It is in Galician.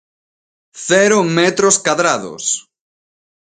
¡Cero metros cadrados!